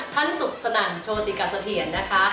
ท่านสุขสนั่นโชติกัสเถียรนะคะ